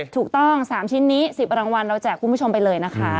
ถูกต้อง๓ชิ้นนี้๑๐รางวัลเราแจกคุณผู้ชมไปเลยนะคะ